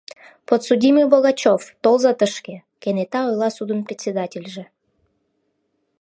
— Подсудимый Богачев, толза тышке, — кенета ойла судын председательже.